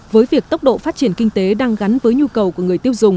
với việc tốc độ phát triển kinh tế đang gắn với nhu cầu của người tiêu dùng